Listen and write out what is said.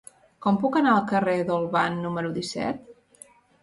Com puc anar al carrer d'Olvan número disset?